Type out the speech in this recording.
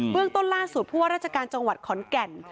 เรื่องต้นล่าสุดผู้ว่าราชการจังหวัดขอนแก่น